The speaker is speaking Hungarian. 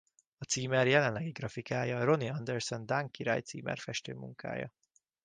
A címer jelenlegi grafikája Ronny Andersen dán királyi címerfestő munkája.